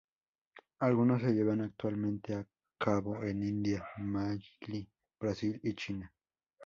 Algunos se llevan actualmente a cabo en India, Malí, Brasil y China.